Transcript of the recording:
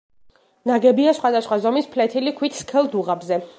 ნაგებია სხვადასხვა ზომის ფლეთილი ქვით, სქელ დუღაბზე.